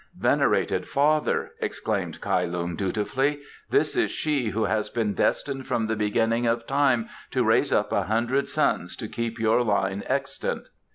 "Venerated father," explained Kai Lung dutifully, "this is she who has been destined from the beginning of time to raise up a hundred sons to keep your line extant."